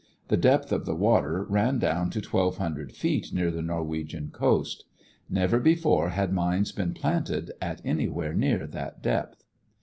The depth of the water ran down to twelve hundred feet near the Norwegian coast. Never before had mines been planted at anywhere near that depth.